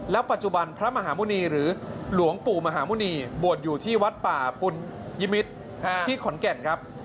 ปัจจุบันพระมหาหมุณีหรือหลวงปู่มหาหมุณีบวชอยู่ที่วัดป่าปุญยิมิตรที่ขอนแก่นครับ